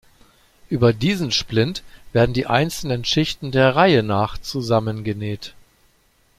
Über diesen Splint werden die einzelnen Schichten der Reihe nach zusammengenäht.